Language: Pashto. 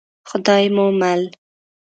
خدای مو مل.